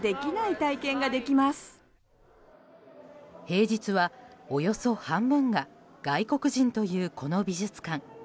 平日はおよそ半分が外国人というこの美術館。